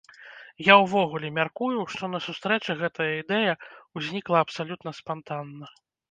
Я ўвогуле мяркую, што на сустрэчы гэтая ідэя ўзнікла абсалютна спантанна.